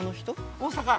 ◆大阪。